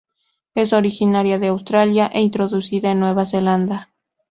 Es originaria de Australia, e introducida en Nueva Zelanda.